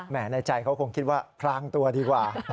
ในใจเขาคงคิดว่าพรางตัวดีกว่า